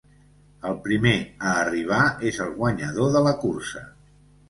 El primer a arribar és el guanyador de la cursa.